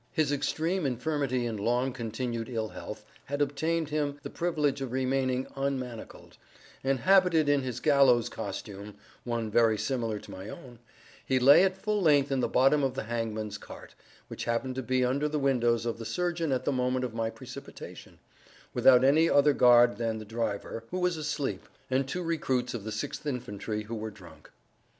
His extreme infirmity and long continued ill health had obtained him the privilege of remaining unmanacled; and habited in his gallows costume—one very similar to my own,—he lay at full length in the bottom of the hangman's cart (which happened to be under the windows of the surgeon at the moment of my precipitation) without any other guard than the driver, who was asleep, and two recruits of the sixth infantry, who were drunk.